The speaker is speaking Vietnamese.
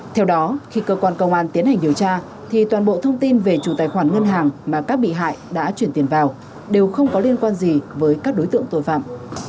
theo đó khi cơ quan công an tiến hành điều tra thì toàn bộ thông tin về chủ tài khoản ngân hàng mà các bị hại đã chuyển tiền vào đều không có liên quan gì với các đối tượng tội phạm